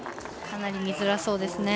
かなり見づらそうです。